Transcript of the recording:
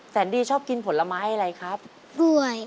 แสนดีชอบกินผลไม้อะไรครับด้วย